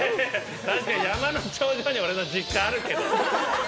確かに山の頂上に俺の実家あるけど。